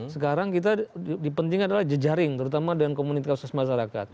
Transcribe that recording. sekarang kita dipenting adalah jejaring terutama dengan komunitas masyarakat